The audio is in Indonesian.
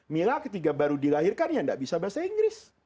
mila ketika baru dilahirkan tidak bisa bahasa inggris